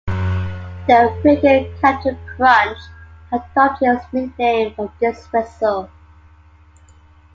The phreaker Captain Crunch adopted his nickname from this whistle.